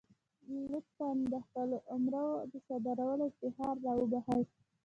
لطفا د خپلو اوامرو د صادرولو افتخار را وبخښئ.